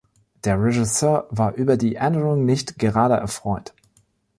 Der Regisseur war über die Änderung nicht gerade erfreut.